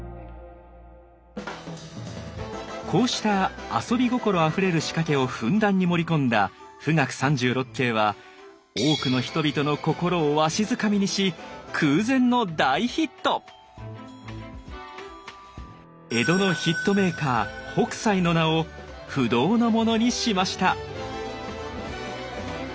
こうした遊び心あふれる仕掛けをふんだんに盛り込んだ「冨嶽三十六景」は多くの人々の心をわしづかみにし江戸のヒットメーカー北斎の名を不動のものにしました。